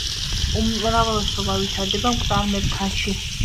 უმრავლესობა ვითარდება მკვდარ მერქანში.